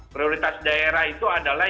prioritas daerah itu adalah